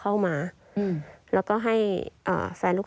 พอเข้าได้เขาก็วิ่งตามมาอีก